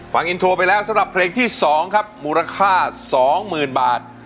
ฟังอินโทรไปแล้วสำหรับเพลงที่สองครับมูลค่าสองหมื่นบาท